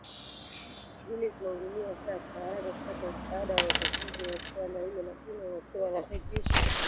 ili kuingilia kati haraka kupata msaada wa utatuzi wa suala hilo lakini imesema inasikitishwa